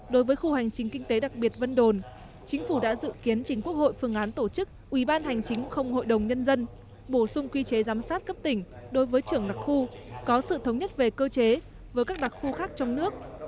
đối với khu hành chính kinh tế đặc biệt vân đồn chính phủ đã dự kiến chính quốc hội phương án tổ chức ubhkn bổ sung quy chế giám sát cấp tỉnh đối với trưởng đặc khu có sự thống nhất về cơ chế với các đặc khu khác trong nước